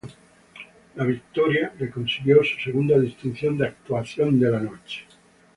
La victoria le consiguió su segunda distinción de "Actuación de la Noche".